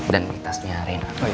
dan tasnya reina